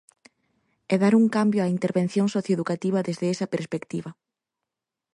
E dar un cambio á intervención socioeducativa desde esa perspectiva.